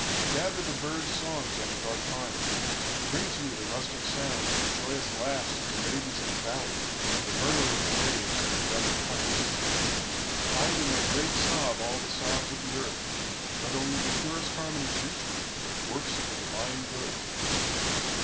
Gather the birds' songs on the dark pines; bring to me the rustic sounds, the joyous laughs of the maidens of the valley, the murmur of the waves, and the breath of plants. Hide in thy great sob all the sobs of the earth; let only the purest harmonies reach me, works of the divine Good!